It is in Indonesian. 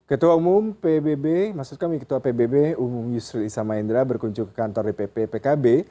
ketua umum pbb maksud kami ketua pbb umum yusril isamahendra berkunjung ke kantor dpp pkb